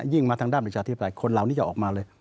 ยิ่งมาทางด้านหลักจากที่ปลายคนเหล่านี้จะออกมาเลย